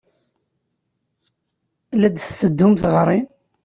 La d-tetteddumt ɣer-i?